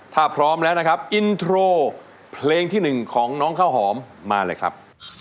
ถ้าพร้อมแล้วนะครับอินโทรเพลงที่๑ของน้องข้าวหอมมาเลยครับ